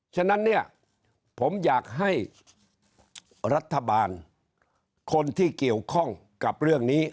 ฉะนั้นเนี่ยผมอยากให้รัฐบาลคนที่เกี่ยวข้องกับเรื่องนี้